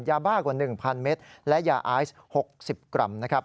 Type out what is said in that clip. ยาบ้ากว่า๑๐๐๐เมตรและยาไอซ์๖๐กรัม